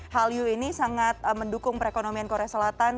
hallyu ini sangat mendukung perekonomian korea selatan